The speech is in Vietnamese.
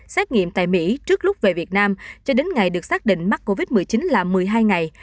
xét nghiệm tại mỹ trước lúc về việt nam cho đến ngày được xác định mắc covid một mươi chín là một mươi hai ngày